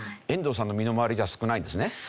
遠藤さんの身の回りでは少ないんですね。